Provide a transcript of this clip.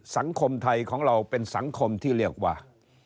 สังคมไทยของเราเป็นสังคมที่เรียกว่า